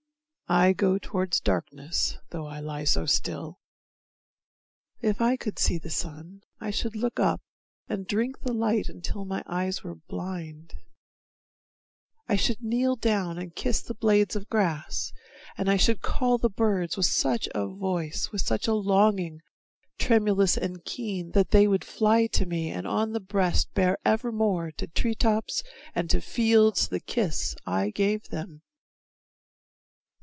I go toward darkness tho' I lie so still. If I could see the sun, I should look up And drink the light until my eyes were blind; I should kneel down and kiss the blades of grass, And I should call the birds with such a voice, With such a longing, tremulous and keen, That they would fly to me and on the breast Bear evermore to tree tops and to fields The kiss I gave them.